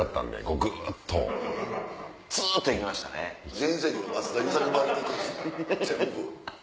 全部。